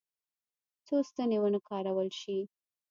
څو ستنې ونه کارول شي.